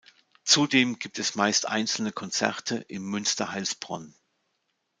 Zudem gibt es meist einzelne Konzerte im Münster Heilsbronn.